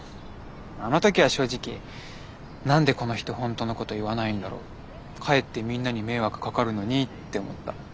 あの時は正直何でこの人本当のこと言わないんだろかえってみんなに迷惑かかるのにって思った。